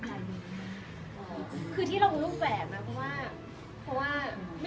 เปลี่ยนแปลงของผม